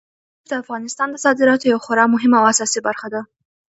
مزارشریف د افغانستان د صادراتو یوه خورا مهمه او اساسي برخه ده.